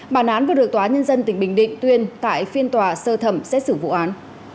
bản án vừa được tòa nhân dân tỉnh bình định tuyên tại phiên tòa sơ thẩm xét xử vụ án